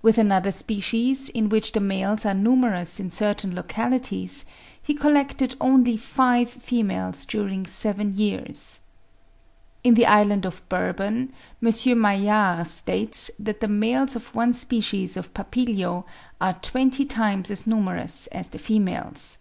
With another species, in which the males are numerous in certain localities, he collected only five females during seven years. In the island of Bourbon, M. Maillard states that the males of one species of Papilio are twenty times as numerous as the females.